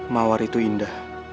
mawar itu indah